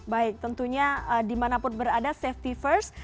baik tentunya dimanapun berada safety first